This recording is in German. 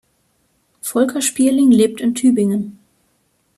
Volker Spierling lebt in Tübingen.